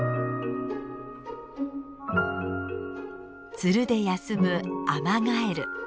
ツルで休むアマガエル。